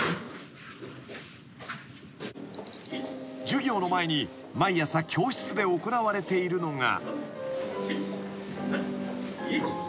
［授業の前に毎朝教室で行われているのが］